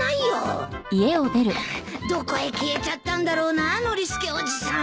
どこへ消えちゃったんだろうなノリスケおじさん。